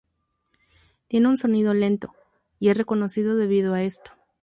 Tiene un sonido lento, y es reconocido debido a esto.